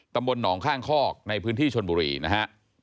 ตำบลหนองข้างคอกในพื้นที่ชนบุรีนะฮะ